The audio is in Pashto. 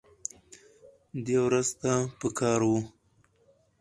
دې ورځ ته پکار وه